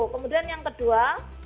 kemudian yang kedua